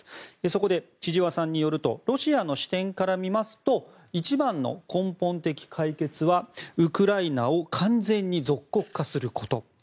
そこで千々和さんによるとロシアの視点から見ますと一番の根本的解決はウクライナを完全に属国化すること。